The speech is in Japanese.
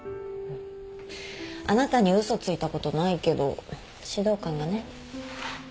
あなたに嘘ついたことないけど指導官がね。